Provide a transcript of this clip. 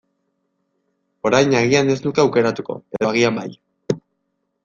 Orain agian ez nuke aukeratuko, edo agian bai.